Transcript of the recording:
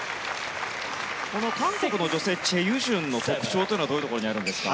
この韓国の女性チェ・ユジュンの特徴はどういうところにあるんですか？